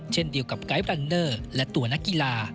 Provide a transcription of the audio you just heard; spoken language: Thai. เช่นเดียวกับไกด์บรันเนอร์และตัวนักกีฬา